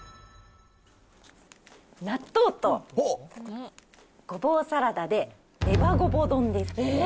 納豆とごぼうサラダで、ねばごぼ丼です。